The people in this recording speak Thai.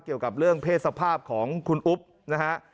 เกี่ยวกับเรื่องเพศสภาพของคุณอุ๊บนะฮะ